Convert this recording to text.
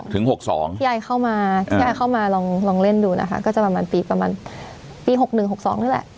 ๖๑ถึง๖๒พี่ยายเข้ามาลองเล่นดูนะคะก็จะประมาณปี๖๑๖๒นี่แหละ